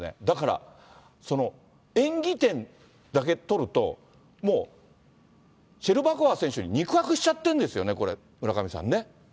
だから、その演技点だけとると、もう、シェルバコワ選手に肉薄しちゃってるんですよね、これ、村上さん